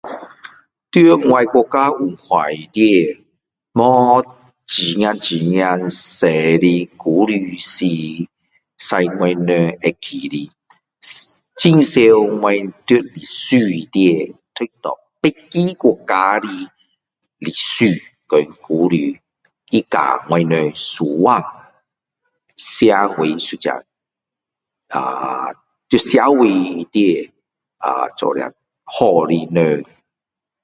在我的国家有历史里面没有很多很多的故事会让我们记得的很常我在历史里面读到别个国家的历史和故事他教我们怎么样在社会里面呃做一个好的人